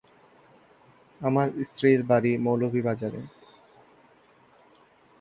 আমার স্ত্রীর বাড়ি মৌলভীবাজারে।